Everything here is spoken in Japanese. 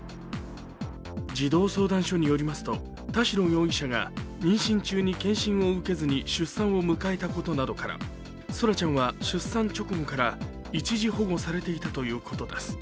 児童相談所によりますと、田代容疑者が妊娠中に健診を受けずに出産を迎えたことなどから空来ちゃんは出産直後から一時保護されていたということです。